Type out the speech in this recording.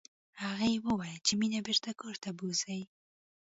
هغې وویل چې مينه بېرته کور ته بوزئ